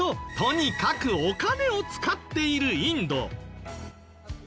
とにかくお金を使っているインド。